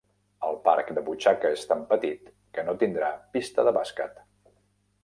El parc de butxaca és tan petit que no tindrà pista de bàsquet.